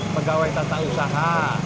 pegawai tata usaha